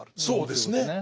そうですね。